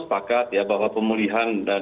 sepakat ya bahwa pemulihan